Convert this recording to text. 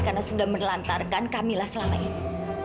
karena sudah menelantarkan kamila selama ini